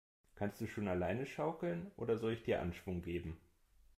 Kannst du schon alleine schaukeln, oder soll ich dir Anschwung geben?